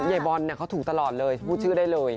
ยายบอลเขาถุงตลอดเลยพูดชื่อได้เลย